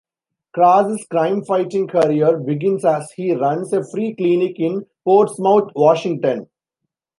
Cross's crime-fighting career begins as he runs a free clinic in Portsmouth, Washington.